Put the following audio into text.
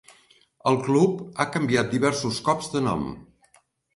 El club ha canviat diversos cops de nom.